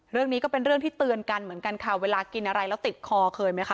เรื่องนี้ก็เป็นเรื่องที่เตือนกันเหมือนกันค่ะเวลากินอะไรแล้วติดคอเคยไหมคะ